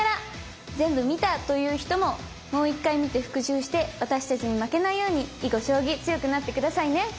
全部見たという人ももう一回見て復習して私たちに負けないように囲碁将棋強くなって下さいね！